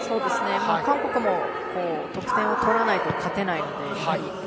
韓国も得点を取らないと勝てないので。